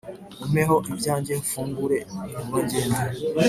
umpeho ibyanjye mfungure vuba ngende.